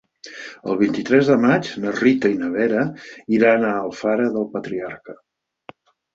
El vint-i-tres de maig na Rita i na Vera iran a Alfara del Patriarca.